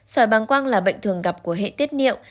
sỏi băng quang là bệnh thường gặp của hệ tiết niệu